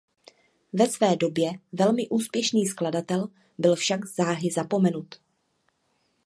Ve své době velmi úspěšný skladatel byl však záhy zapomenut.